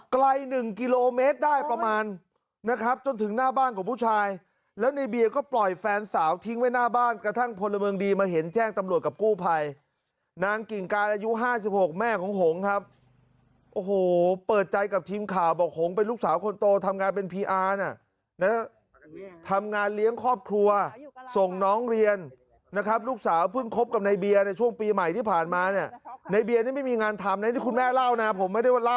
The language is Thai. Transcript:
กลายหนึ่งกิโลเมตรได้ประมาณนะครับจนถึงหน้าบ้านกับผู้ชายแล้วในเบียร์ก็ปล่อยแฟนสาวทิ้งไว้หน้าบ้านกระทั่งพลเมิงดีมาเห็นแจ้งตำรวจกับกู้ภัยนางกิ่งการอายุห้าสิบหกแม่ของโหงครับโอ้โหเปิดใจกับทีมข่าวบอกโหงเป็นลูกสาวคนโตทำงานเป็นพีอาร์นะทำงานเลี้ยงครอบครัวส่งน้องเรียนนะครับ